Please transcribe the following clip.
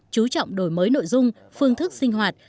chú trọng đổi mới nội dung phương thức sinh hoạt